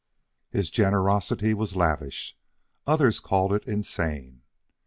His generosity was lavish. Others called it insane.